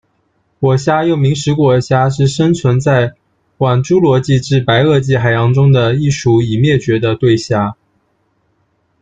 果虾，又名食果虾，是生存在晚侏罗纪至白垩纪海洋中的一属已灭绝的对虾。